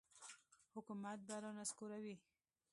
حکومت به را نسکوروي.